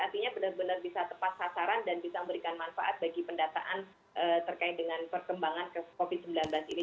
artinya benar benar bisa tepat sasaran dan bisa memberikan manfaat bagi pendataan terkait dengan perkembangan covid sembilan belas ini